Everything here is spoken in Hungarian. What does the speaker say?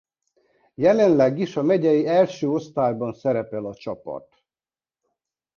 Jelenleg is a megyei első osztályban szerepel a csapat.